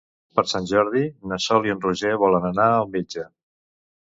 Per Sant Jordi na Sol i en Roger volen anar al metge.